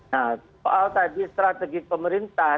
nah soal tadi strategi pemerintah